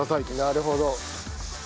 なるほど。